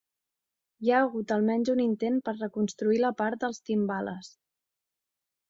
Hi ha hagut almenys un intent per reconstruir la part dels timbales.